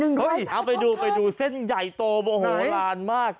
เอาไปดูไปดูเส้นใหญ่โตโมโหลานมาก